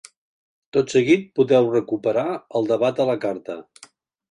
Tot seguit, podeu recuperar el debat a la carta.